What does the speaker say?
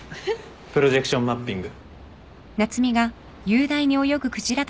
プロジェクションマッピング。